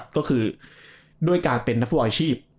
ก็คือด้วยการเป็นนักฟุตบอลอาชีพ